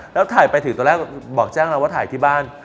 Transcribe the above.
แล้วถ่ายไปถึงตอนแรกบอกแจ้งเราว่าถ่ายที่บ้าน